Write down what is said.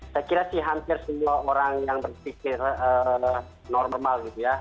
saya kira sih hampir semua orang yang berpikir normal gitu ya